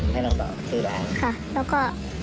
ให้หนูบอกที่ร้านค่ะ